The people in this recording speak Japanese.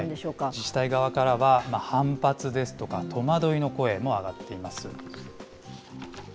自治体側からは、反発ですとか、戸惑いの声も上がっています。